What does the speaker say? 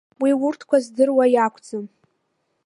Уи урҭқәа здыруа иакәӡам!